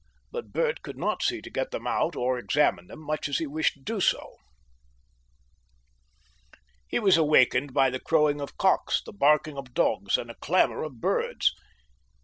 But Bert could not see to get them out or examine them, much as he wished to do so.... He was awakened by the crowing of cocks, the barking of dogs, and a clamour of birds.